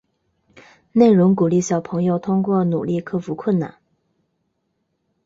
内容鼓励小朋友通过努力克服困难。